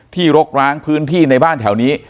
รกร้างพื้นที่ในบ้านแถวนี้